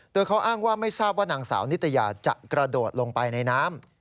โดยเขาอ้างว่าไม่ทราบว่านางสาวนิตยาจะกระโดดลงไปในน้ำ